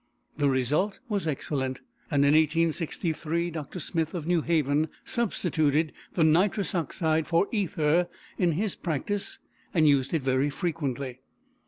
The result was excellent, and in 1863 Dr. Smith of New Haven substituted the nitrous oxide for ether in his practice and used it very frequently.